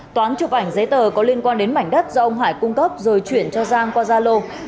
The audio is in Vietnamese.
toán chụp ảnh giấy tờ có liên quan đến mảnh đất do ông hải cung cấp rồi chuyển cho giang qua zalo